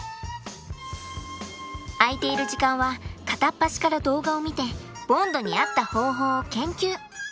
空いている時間は片っ端から動画を見てボンドに合った方法を研究！